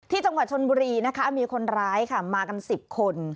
จังหวัดชนบุรีนะคะมีคนร้ายค่ะมากัน๑๐คน